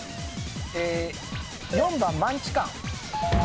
４番マンチカン。